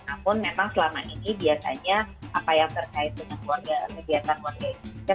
namun memang selama ini biasanya apa yang terkait dengan kegiatan warga indonesia